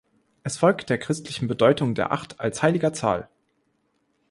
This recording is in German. Es folgt der christlichen Bedeutung der Acht als heiliger Zahl.